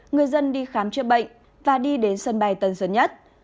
người dân đi khám chữa bệnh và đi đến sân bay tân sơn nhất